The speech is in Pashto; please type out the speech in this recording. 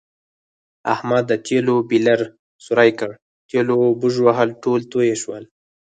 احمد د تېلو بیلر سوری کړ، تېلو بژوهل ټول تویې شول.